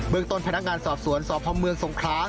เมืองต้นพนักงานสอบสวนสพเมืองสงครา